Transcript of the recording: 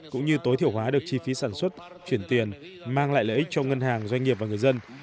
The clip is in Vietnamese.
cũng như tối thiểu hóa được chi phí sản xuất chuyển tiền mang lại lợi ích cho ngân hàng doanh nghiệp và người dân